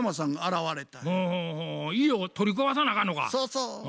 そうそう。